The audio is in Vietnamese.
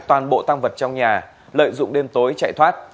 toàn bộ tăng vật trong nhà lợi dụng đêm tối chạy thoát